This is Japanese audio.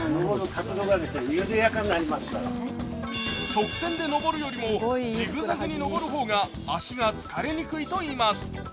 直線で上るよりもジグザグで上る方が脚が疲れにくいといいます。